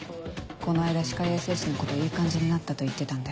この間歯科衛生士の子といい感じになったと言ってたんで。